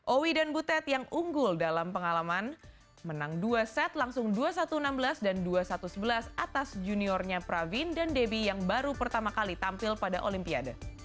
owi dan butet yang unggul dalam pengalaman menang dua set langsung dua satu enam belas dan dua satu sebelas atas juniornya pravin dan debbie yang baru pertama kali tampil pada olimpiade